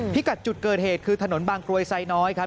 กัดจุดเกิดเหตุคือถนนบางกรวยไซน้อยครับ